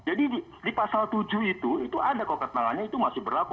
jadi di pasal tujuh itu ada kokat tangannya itu masih berlaku